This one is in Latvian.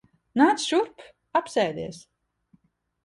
Nāc šurp. Apsēdies.